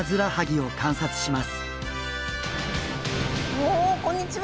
おおこんにちは。